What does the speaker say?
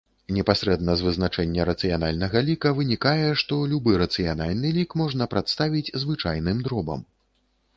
Непасрэдна з вызначэння рацыянальнага ліка вынікае, што любы рацыянальны лік можна прадставіць звычайным дробам.